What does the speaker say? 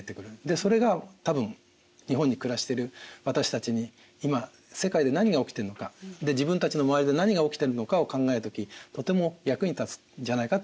それが多分日本に暮らしてる私たちに今世界で何が起きてるのか自分たちの周りで何が起きてるのかを考える時とても役に立つじゃないかと思います。